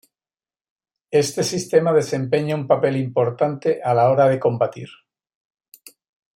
Este sistema desempeña un papel importante a la hora de combatir.